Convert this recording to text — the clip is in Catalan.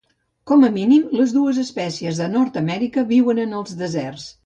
Com a mínim, les dues espècies de Nord-amèrica viuen en els deserts.